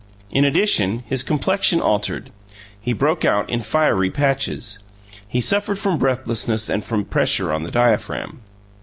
In addition, his complexion altered he broke out in fiery patches. He suffered from breathlessness and from pressure on the diaphragm.